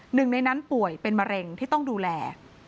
หนึ่งในนั้นป่วยเป็นมะเร็งที่ต้องดูแล